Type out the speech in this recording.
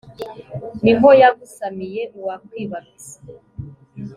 ni ho yagusamiye uwakwibarutse